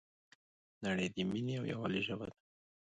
نړۍ د مینې او یووالي ژبه ده.